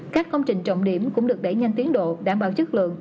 các công trình trọng điểm cũng được đẩy nhanh tiến độ đảm bảo chất lượng